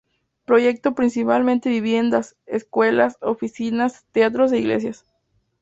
Proyectó principalmente viviendas, escuelas, oficinas, teatros e iglesias.